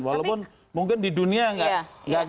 walaupun mungkin di dunia nggak